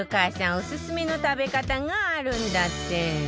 オススメの食べ方があるんだって